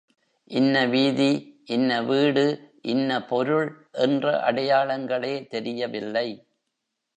இன்ன வீதி, இன்ன வீடு, இன்ன பொருள் என்ற அடையாளங்களே தெரியவில்லை.